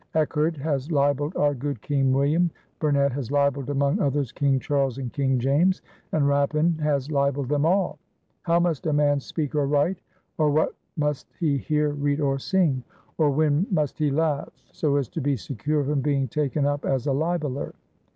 Echard has libelled our good King William; Burnet has libelled among others, King Charles and King James; and Rapin has libelled them all. How must a man speak or write, or what must he hear, read, or sing? Or when must he laugh, so as to be secure from being taken up as a libeller?